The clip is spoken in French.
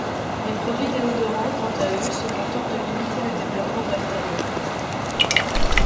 Les produits déodorants, quant à eux, se contentent de limiter le développement bactérien.